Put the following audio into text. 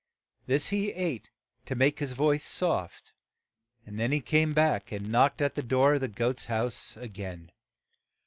This he ate to make his voice soft, and then he came back and knocked at the door of the goat's house a gain.